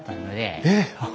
えっ！